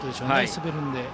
滑るので。